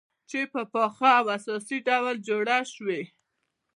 چې په پاخه او اساسي ډول جوړه شوې،